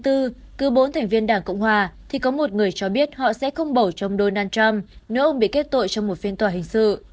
cứ bốn thành viên đảng cộng hòa thì có một người cho biết họ sẽ không bầu cho ông donald trump nếu ông bị kết tội trong một phiên tòa hình sự